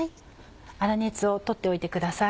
粗熱をとっておいてください。